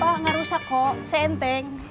aman pak gak rusak kok senteng